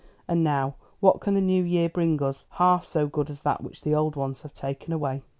And now, what can the new years bring us half so good as that which the old ones have taken away?"